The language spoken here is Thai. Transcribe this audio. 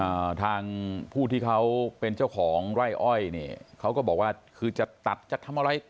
อ่าทางผู้ที่เขาเป็นเจ้าของไร่อ้อยเนี่ยเขาก็บอกว่าคือจะตัดจะทำอะไร